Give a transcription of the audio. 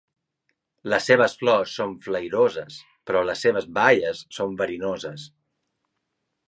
Les seves flors són flairoses però les seves baies són verinoses.